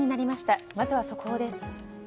まずは速報です。